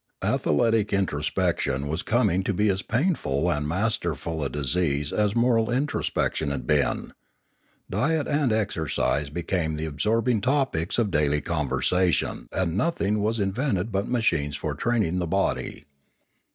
Athletic introspection was coming to be as painful and masterful a disease as moral intro spection had been. Diet and exercise became the ab sorbing topics of daily conversation and nothing was invented but machines for training the body.